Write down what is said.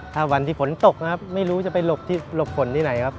ถ้าวันที่ฝนตกนะครับไม่รู้จะไปหลบฝนที่ไหนครับ